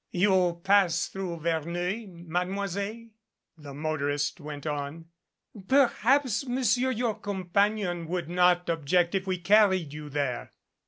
"You pass through Verneuil, Mademoiselle?" the mo torist went on. "Perhaps Monsieur your companion would not object if we carried you there."